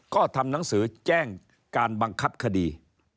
ก็ทำหนังสือแจ้งการบังคับคดี